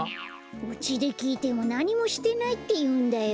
うちできいてもなにもしてないっていうんだよ。